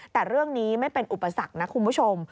แต่เรื่องนี้ไม่เป็นอุปสรรคนะคุณผู้ชม